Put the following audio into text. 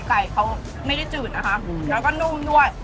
ไก่เขาไม่ได้จืดนะคะแล้วก็นุ่มด้วย